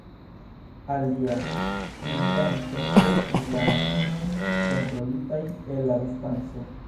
Alia invento estis la maŝinoj kontrolitaj el la distanco.